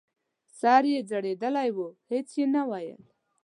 سر یې ځړېدلی و هېڅ یې نه ویل !